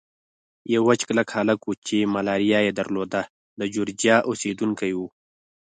یو وچ کلک هلک وو چې ملاریا یې درلوده، د جورجیا اوسېدونکی و.